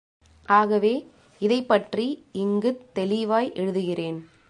ஆகவே இதைப்பற்றி இங்குத் தெளிவாய் எழுதுகிறேன்.